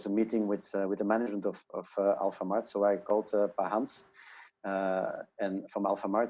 ya kami menemukan ide hanya beberapa minggu lalu dan saya pernah bertemu dengan pengurusan alphamart